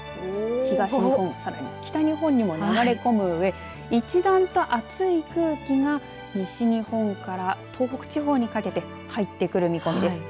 東日本、さらに北日本にも流れ込むうえ一段と熱い空気が西日本から東北地方にかけて入ってくる見込みです。